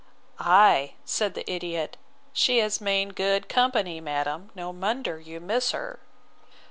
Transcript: Ay, said the ideot, she is main good company, madam, no wonder you miss her.